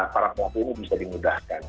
para pelaku ini bisa dimudahkan